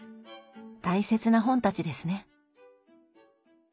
大切な本たちですね。